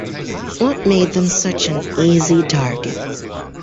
What made them such an easy target?